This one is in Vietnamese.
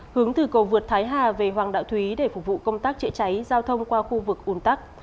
hướng từ cầu vượt thái hà về hoàng đạo thúy để phục vụ công tác chữa cháy giao thông qua khu vực ủn tắc